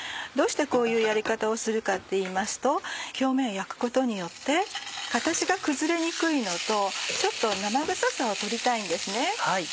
どうしてこういうやり方をするかっていいますと表面焼くことによって形が崩れにくいのとちょっと生臭さを取りたいんです。